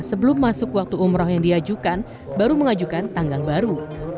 sebelum masuk waktu umroh yang diajukan baru mengajukan tanggal baru